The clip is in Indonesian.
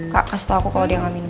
kak kasih tau aku kalo dia gak minum